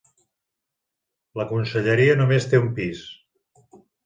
La Conselleria només té un pis.